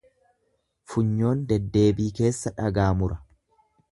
Funyoon deddeebii keessa dhagaa mura.